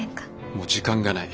もう時間がない。